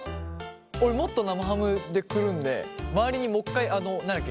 俺もっと生ハムでくるんで周りにもう一回何だっけ？